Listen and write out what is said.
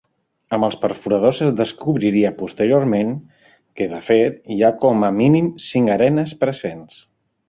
Amb els perforadors es descobriria posteriorment que, de fet, hi ha com a mínim cinc arenes presents.